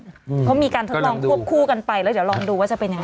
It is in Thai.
เขามีการทดลองควบคู่กันไปแล้วเดี๋ยวลองดูว่าจะเป็นยังไง